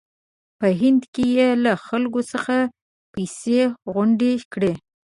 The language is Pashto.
په هند کې یې له خلکو څخه پیسې غونډې کړې.